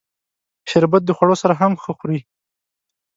شربت د خوړو سره هم ښه خوري